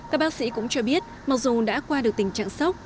các bác sĩ cũng cho biết mặc dù đã qua được tình trạng sốc